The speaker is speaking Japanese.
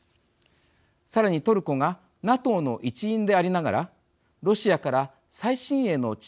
さらにトルコがＮＡＴＯの一員でありながらロシアから最新鋭の地